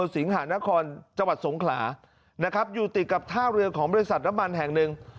สิงหานครจังหวัดสงขลานะครับอยู่ติดกับท่าเรือของบริษัทน้ำมันแห่งหนึ่ง